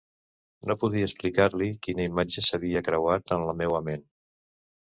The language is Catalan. No podia explicar-li quina imatge s'havia creuat en la meua ment.